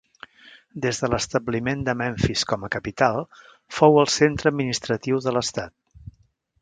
Des de l'establiment de Memfis com a capital, fou el centre administratiu de l'estat.